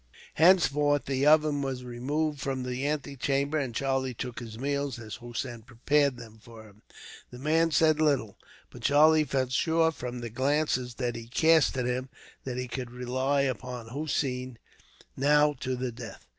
Henceforth the oven was removed from the antechamber, and Charlie took his meals as Hossein prepared them for him. The man said little, but Charlie felt sure, from the glances that he cast at him, that he could rely upon Hossein now to the death.